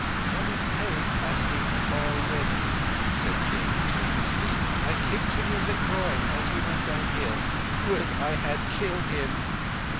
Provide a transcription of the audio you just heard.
"One is paid, I think, already," said Kim between his teeth. "I kicked him in the groin as we went downhill. Would I had killed him!"